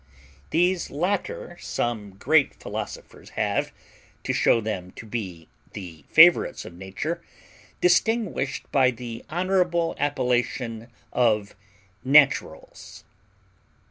These latter some great philosophers have, to shew them to be the favourites of Nature, distinguished by the honourable appellation of NATURALS.